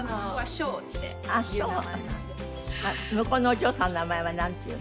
向こうのお嬢さんの名前はなんていうの？